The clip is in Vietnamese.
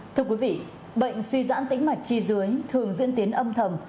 thưa quý vị bệnh suy dãn tĩnh mạch chi dưới thường diễn tiến âm thầm